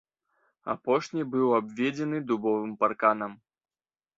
Апошні быў абведзены дубовым парканам.